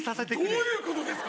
どういうことですか？